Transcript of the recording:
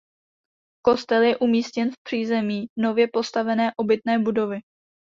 Kostel je umístěn v přízemí nově postavené obytné budovy.